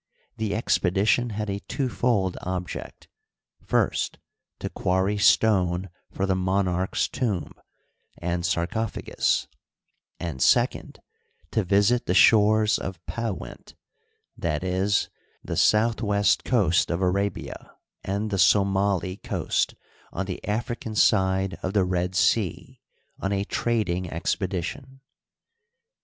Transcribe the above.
The expedition had a twofold object : first, to quarry stone for the monarch's tomb and sarcophagus ; and, second, to visit the shores of Pewent — i. e., the south west coast of Arabia and the Somili coast on the African side of the Red Sea— on a trading expedition.